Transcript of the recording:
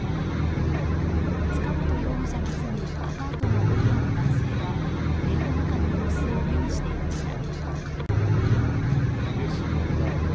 塚本容疑者が住むアパートの大家の男性は部屋の中の様子を目にしていました。